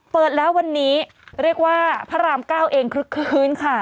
เปิดแล้ววันนี้เรียกว่าพระรามเก้าเองคลึกคลื้นค่ะ